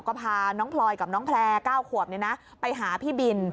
ก็พาน้องพลอยกับน้องแพร่๙ขวบไปหาพี่บิน